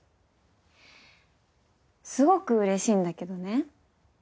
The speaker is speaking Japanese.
すごく嬉しいんだけどね